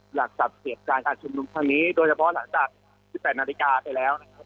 หลักสับเหตุการณ์การชุมนุมพันธุ์นี้โดยเฉพาะหลังจาก๑๘นาฬิกาไปแล้ว